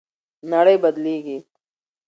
نړۍ بدلیږي.